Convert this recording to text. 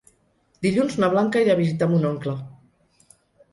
Dilluns na Blanca irà a visitar mon oncle.